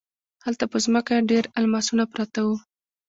هلته په ځمکه ډیر الماسونه پراته وو.